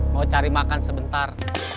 mau cari makan sebentar